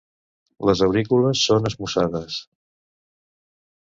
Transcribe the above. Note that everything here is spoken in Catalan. Les aurícules són esmussades.